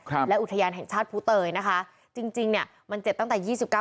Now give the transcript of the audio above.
ครับและอุทยานแห่งชาติภูเตยนะคะจริงจริงเนี้ยมันเจ็บตั้งแต่ยี่สิบเก้า